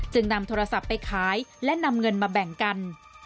นำโทรศัพท์ไปขายและนำเงินมาแบ่งกัน